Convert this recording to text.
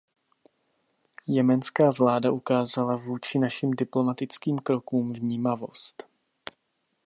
Jemenská vláda ukázala vůči našim diplomatickým krokům vnímavost.